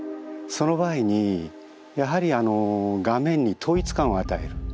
その場合にやはり画面に統一感を与える。